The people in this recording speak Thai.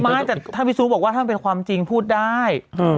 ไม่แต่ถ้าพี่ซูบอกว่าถ้ามันเป็นความจริงพูดได้